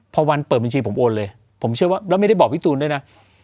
พอวันเปิดบัญชีผมโอนเลยผมเชื่อว่าแล้วไม่ได้บอกพี่ตูนด้วยนะ